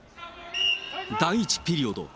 第１ピリオド。